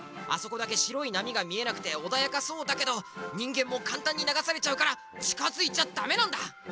あそこだけしろいなみが見えなくておだやかそうだけどにんげんもかんたんにながされちゃうからちかづいちゃダメなんだ。